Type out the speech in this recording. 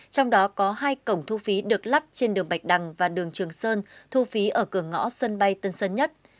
trong đó có hai cổng thu phí được lắp trên đường bạch đằng và đường trường sơn thu phí ở cửa ngõ sân bay tân sơn nhất